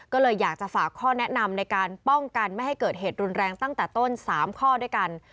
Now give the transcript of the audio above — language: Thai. ก็เลยอยากจะฝากข้อแนะนำในการป้องกันไม่ให้เกิดเหตุรุนแรงตั้งแต่ต้น๓ข้อด้วยกัน